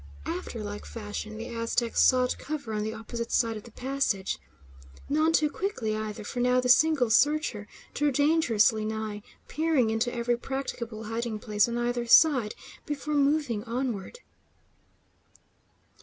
After like fashion, the Aztec sought cover on the opposite side of the passage. None too quickly, either; for now the single searcher drew dangerously nigh, peering into every practicable hiding place on either side, before moving onward.